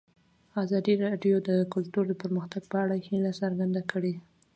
ازادي راډیو د کلتور د پرمختګ په اړه هیله څرګنده کړې.